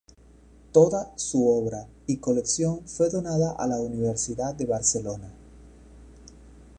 Toda su obra y colección fue donada a la Universidad de Barcelona.